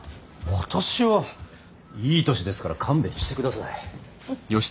私はいい年ですから勘弁してください。